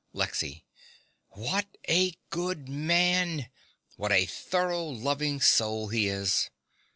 LEXY. What a good man! What a thorough, loving soul he is!